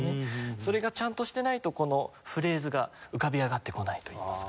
それがちゃんとしてないとこのフレーズが浮かび上がってこないといいますか。